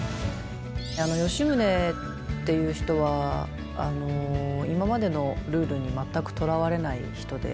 吉宗っていう人は今までのルールに全くとらわれない人で。